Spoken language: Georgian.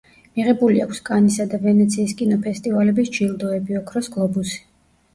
მიღებული აქვს კანისა და ვენეციის კინოფესტივალების ჯილდოები, ოქროს გლობუსი.